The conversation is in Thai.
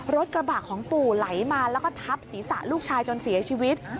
รถกระบะของปู่ไหลมาแล้วก็ทับศีรษะลูกชายจนเสียชีวิต